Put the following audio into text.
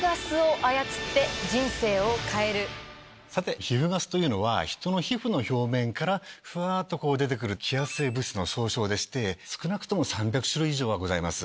さて皮膚ガスというのは人の皮膚の表面からフワっと出て来る揮発性物質の総称でして少なくとも３００種類以上はございます。